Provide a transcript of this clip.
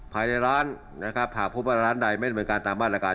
ภายในร้านหากพบร้านใดไม่ดำเนินการตามมาตรการ